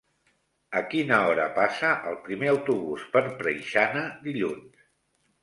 A quina hora passa el primer autobús per Preixana dilluns?